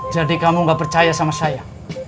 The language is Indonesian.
jadi kamu gak percaya sama saya